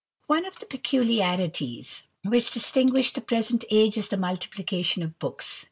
/^NE of the pecularities which distinguish the present age ^^ is the multiplication of books.